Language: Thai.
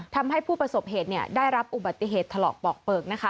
ทำให้ผู้ประสบเหตุได้รับอุบัติเหตุถลอกปอกเปลือกนะคะ